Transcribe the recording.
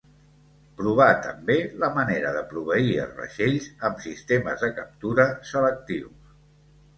Provà també la manera de proveir els vaixells amb sistemes de captura selectius.